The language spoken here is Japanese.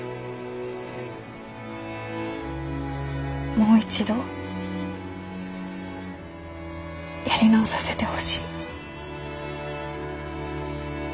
もう一度やり直させてほしい。